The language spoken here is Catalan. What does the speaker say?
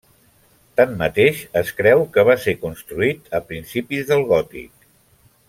Tanmateix, es creu que va ser construït a principis del Gòtic.